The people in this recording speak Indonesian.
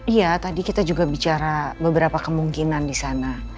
iya tadi kita juga bicara beberapa kemungkinan disana